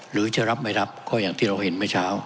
หรือจะรับไม่รับก็อย่างที่เราเห็นเมื่อเช้า